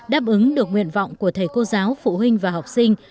đáp ứng được nguyện vọng của thầy cô giáo phụ huynh và học sinh